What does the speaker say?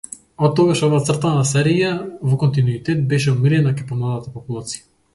Оттогаш оваа цртана серија во континуитет беше омилена кај помладата популација.